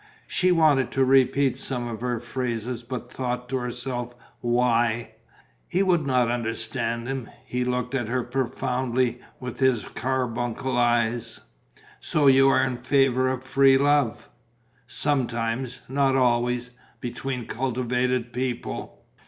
She wanted to repeat some of her phrases, but thought to herself, why? He would not understand them. He looked at her profoundly, with his carbuncle eyes: "So you are in favour of free love?" "Sometimes. Not always. Between cultivated people."